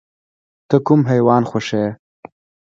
ته کوم حیوان خوښوې؟